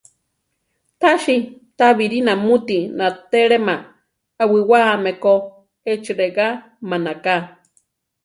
Tasi tábiri namúti natélema awiwáame ko, echi regá manaká.